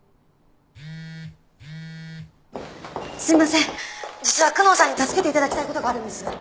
すいません実は久能さんに助けていただきたいことがあるんです。